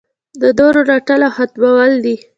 د نورو رټل او ختمول دي.